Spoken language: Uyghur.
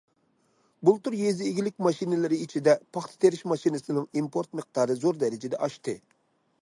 بۇلتۇر يېزا ئىگىلىك ماشىنىلىرى ئىچىدە، پاختا تېرىش ماشىنىسىنىڭ ئىمپورت مىقدارى زور دەرىجىدە ئاشتى.